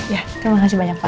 ya terima kasih banyak pak